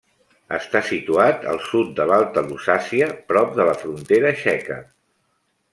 Està situat al sud de l'Alta Lusàcia, prop de la frontera txeca.